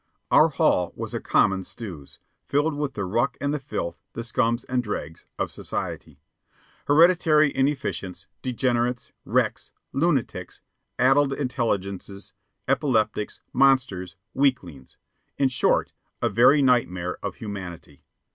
Our hall was a common stews, filled with the ruck and the filth, the scum and dregs, of society hereditary inefficients, degenerates, wrecks, lunatics, addled intelligences, epileptics, monsters, weaklings, in short, a very nightmare of humanity.